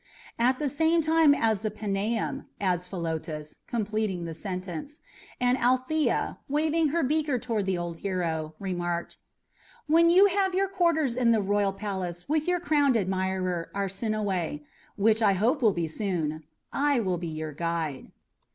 "At the same time as the Paneum," added Philotas, completing the sentence; and Althea, waving her beaker toward the old hero, remarked: "When you have your quarters in the royal palace with your crowned admirer, Arsinoe which, I hope, will be very soon I will be your guide."